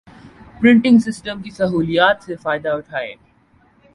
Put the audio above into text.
پریٹنگ systems کی سہولیات سے فائدہ اٹھائیں